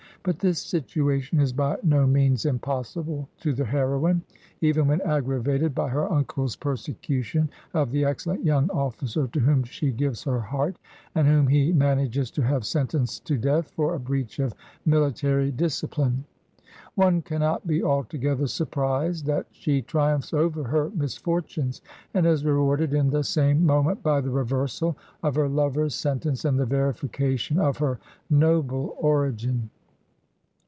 But this situation is by no means impossible to the heroine, even when aggravated by her imcle's persecution of the excellent young officer to whom she gives her heart, and whom he manages to have sentenced to death for a breach of mihtary dis cipline. One cannot be altogether surprised that she triumphs over her misfortimes, and is rewarded in the • same moment by the reversal of her lover's sentence and the verification of her noble origin.